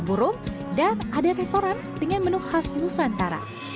burung dan ada restoran dengan menu khas nusantara